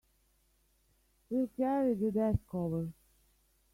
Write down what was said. We'll carry the desk over.